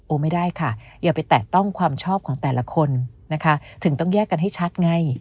ไม่ได้ค่ะอย่าไปแตะต้องความชอบของแต่ละคนนะคะถึงต้องแยกกันให้ชัดไง